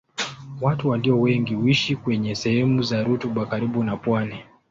Watu walio wengi huishi kwenye sehemu za rutuba karibu na pwani.